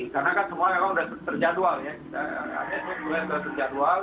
karena kan semua yang orang sudah terjadwal